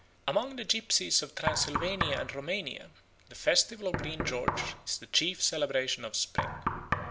Among the gypsies of Transylvania and Roumania the festival of Green George is the chief celebration of spring.